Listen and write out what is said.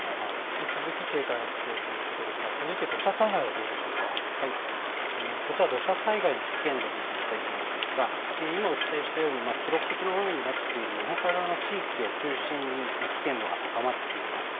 引き続き警戒が必要ということですが、続いて土砂災害はどうこちら、土砂災害の危険度を見ていきたいと思うんですが、今お伝えしたように、記録的な大雨になっている日本海側の地域を中心に危険度が高まっています。